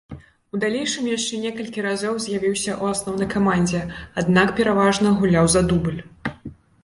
У далейшым яшчэ некалькі разоў з'явіўся ў асноўнай камандзе, аднак пераважна гуляў за дубль.